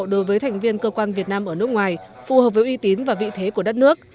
đối với thành viên cơ quan việt nam ở nước ngoài phù hợp với uy tín và vị thế của đất nước